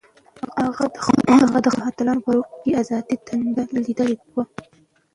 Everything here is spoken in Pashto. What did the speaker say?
هغه د خپلو اتلانو په روح کې د ازادۍ تنده لیدلې وه.